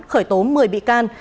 khởi tố một mươi bị can